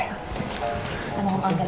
sama om om dulu ya